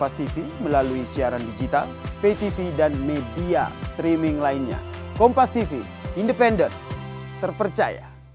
setelah saya baca baca saya kira istri saya mau maju beli tanda